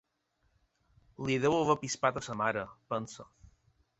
Li deu haver pispat a sa mare, pensa.